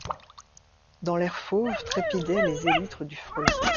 Dans l'air fauve trépidaient les élytres du frelon.